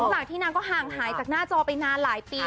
หลังที่นางก็ห่างหายจากหน้าจอไปนานหลายปี